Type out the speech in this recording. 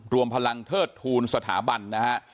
รวมพลังเทิดทูลสถาบันนะฮะ